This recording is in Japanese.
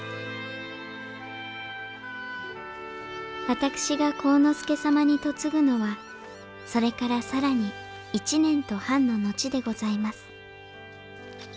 私が晃之助様に嫁ぐのはそれから更に１年と半の後でございます